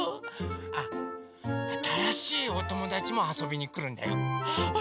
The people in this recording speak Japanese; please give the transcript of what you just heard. あっあたらしいおともだちもあそびにくるんだよウフフ。